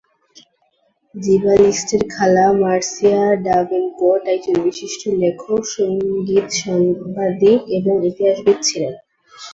জিবালিস্টের খালা, মার্সিয়া ডাভেনপোর্ট, একজন বিশিষ্ট লেখক, সঙ্গীত সাংবাদিক এবং ইতিহাসবিদ ছিলেন।